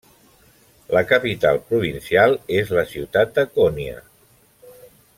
La capital provincial és la ciutat de Konya.